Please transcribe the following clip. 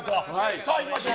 さあ、いきましょう。